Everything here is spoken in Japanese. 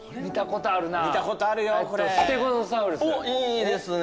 おっいいですね。